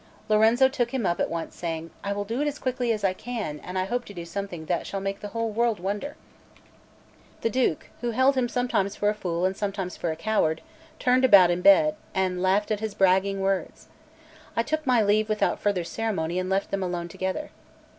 Lorenzo took him up at once, saying: "I will do it as quickly as I can, and I hope to do something that shall make the whole world wonder." The Duke, who held him sometimes for a fool and sometimes for a coward, turned about in bed, and laughed at his bragging, words. I took my leave without further ceremony, and left them alone together.